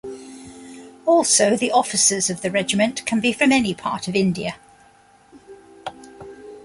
Also the officers of the regiment can be from any part of India.